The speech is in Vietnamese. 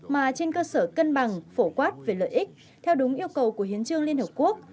mà trên cơ sở cân bằng phổ quát về lợi ích theo đúng yêu cầu của hiến trương liên hợp quốc